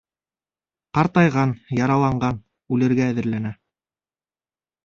Ҡартайған, яраланған, үлергә әҙерләнә.